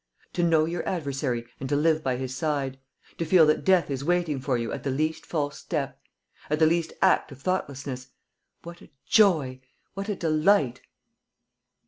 To know your adversary and to live by his side; to feel that death is waiting for you at the least false step, at the least act of thoughtlessness: what a joy, what a delight!